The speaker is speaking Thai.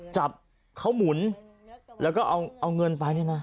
จับเขาหมุนแล้วก็เอาเงินไปเนี่ยนะ